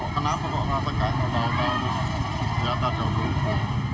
ya karena pasnya ubur itu kok kenapa kok rata rata harus jatah jauh jauh